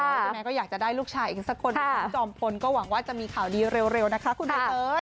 ใช่ไหมก็อยากจะได้ลูกชายอีกสักคนหนึ่งน้องจอมพลก็หวังว่าจะมีข่าวดีเร็วนะคะคุณใบเตย